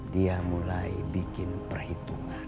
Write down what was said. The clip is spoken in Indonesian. dia mulai bikin perhitungan